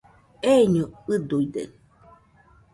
Eiño ɨduide